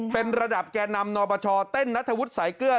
เป็นระดับแก่นำนปชเต้นนัทวุฒิสายเกลือ